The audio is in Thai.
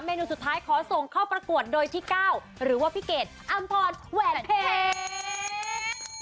นูสุดท้ายขอส่งเข้าประกวดโดยที่ก้าวหรือว่าพี่เกดอำพรแหวนเพชร